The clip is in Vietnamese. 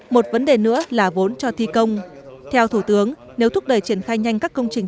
một vấn đề nữa là vốn cho thi công theo thủ tướng nếu thúc đẩy triển khai nhanh các công trình